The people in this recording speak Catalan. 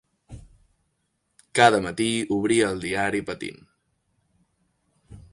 Cada matí obria el diari patint.